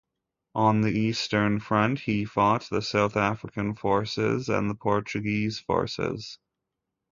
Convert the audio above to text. On the eastern front he fought the South African forces and the Portuguese forces.